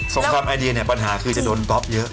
งครามไอเดียเนี่ยปัญหาคือจะโดนก๊อปเยอะ